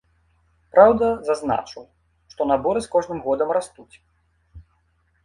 Праўда, зазначыў, што наборы з кожным годам растуць.